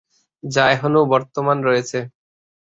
যা এখনও বর্তমান রয়েছে।